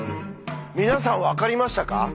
皆さん分かりましたか？